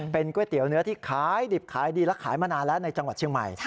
เป็นก๋วยเตี๋ยวเนื้อที่ขายดิบขายดีและขายมานานแล้วในจังหวัดเชียงใหม่